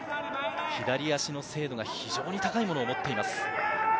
左足の精度は非常に高いものを持っています。